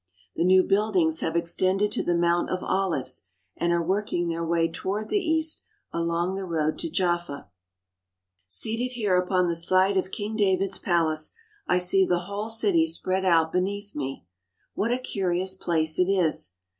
The new buildings have extended to the Mount of Olives, and are working their way toward the east along the road to Jaffa. Seated here upon the site of King David's palace, I see the whole city spread out beneath me. What a curious place it is!